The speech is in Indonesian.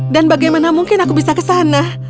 dan bagaimana mungkin aku bisa ke sana